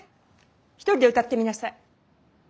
一人で歌ってみなさい。